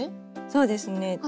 そうですね。